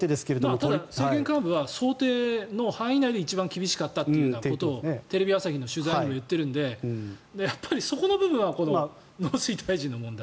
ただ、政権幹部は想定の範囲内で一番厳しかったということをテレビ朝日の取材にも言っているのでそこの部分は農水大臣の問題。